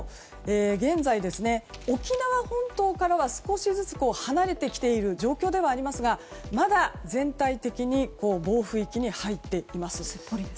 現在、沖縄本島からは少しずつ離れてきている状況ですがまだ全体的に暴風域に入っています。